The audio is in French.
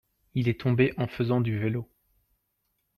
il est tombé en faisant du vélo.